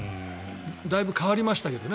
だいぶ変わりましたけどね